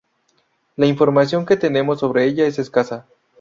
La información que tenemos sobre ella es escasa.